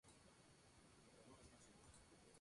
Es miembro de la YoungBlood Theatre Company.